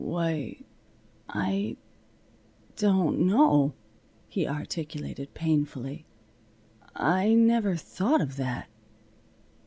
"Why I don't know," he articulated, painfully. "I never thought of that."